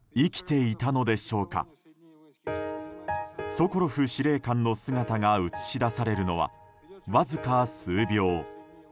ソコロフ司令官の姿が映し出されるのは、わずか数秒。